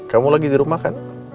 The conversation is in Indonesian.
kamu lagi di rumah kan